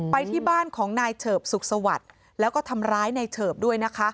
ไปที่บ้านของนายเฉิบสุขสวัสดิ์แล้วก็ทำร้ายในเฉิบด้วยนะคะ